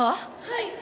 はい！